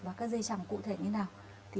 và các dây chẳng cụ thể như thế nào